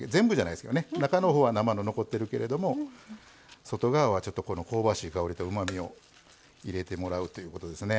中のほうは生の残ってるけれども外側は香ばしい香りとうまみを入れてもらうということですね。